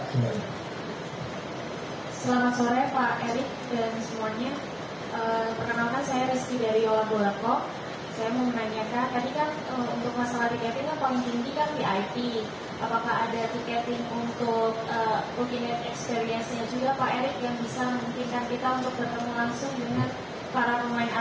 apakah ada tiketing untuk booking experience nya juga pak erick yang bisa memungkinkan kita untuk bertemu langsung dengan para pemain argentinanya